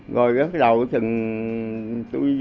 rồi cái đầu nó chụp ra đó là tử thi nạn nhân